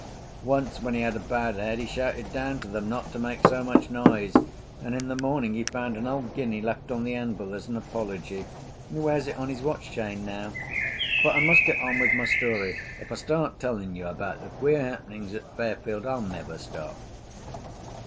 Once when he had a bad head he shouted down to them not to make so much noise, and in the morning he found an old guinea left on the anvil as an apology. He wears it on his watch chain now. But I must get on with my story; if I start telling you about the queer happenings at Fairfield I'll never stop.